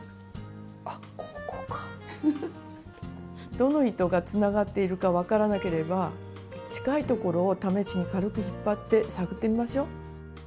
どの糸がつながっているか分からなければ近いところを試しに軽く引っ張って探ってみましょう。